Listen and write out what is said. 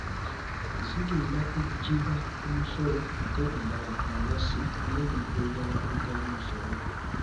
Zigenda kuggibwa ku musolo ate endala ku ngassi n’ebintu ebirala ebitali musolo.